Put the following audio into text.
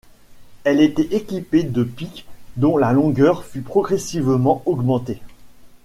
Elles étaient équipées de piques dont la longueur fut progressivement augmentée.